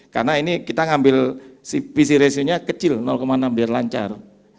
karena ini kita ngambil pc ratio nya kecil enam biar lancar